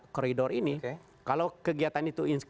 koridor ini kalau kegiatan itu